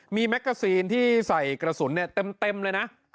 มีแมกกาซีนที่ใส่กระสุนเต็มเลยนะ